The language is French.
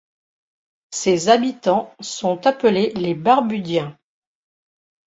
Ses habitants sont appelés les Barbudiens.